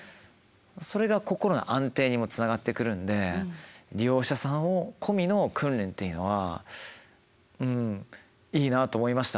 それが心の安定にもつながってくるんで利用者さんを込みの訓練っていうのはいいなと思いましたね。